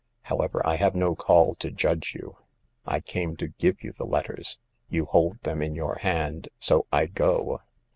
However, I have no call to judge you. I came to give you the letters ; you hold them in your hand ; so I go."